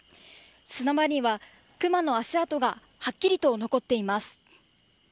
砂場にはクマの足跡がはっきりと残っています。